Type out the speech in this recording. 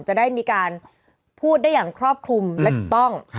จะได้มีการพูดได้อย่างครอบคลุมและถูกต้อง